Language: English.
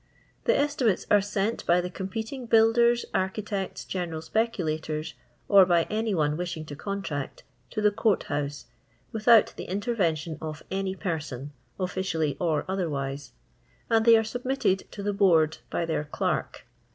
The estimates are sent by the competing builders, architects, general speculators, or by any one wishing to contract, to the court house (without the inter vention of any per.on, ottlcially or otherwise) and they are submitted to the Poard by their clerk.